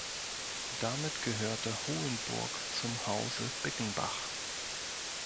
Damit gehörte Hohenburg zum Hause Bickenbach.